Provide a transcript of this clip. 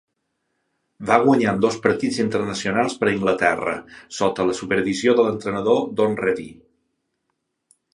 Va guanyar en dos partits internacionals per a Anglaterra sota la supervisió de l'entrenador Don Revie.